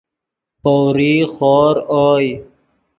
پؤریغ خور اوئے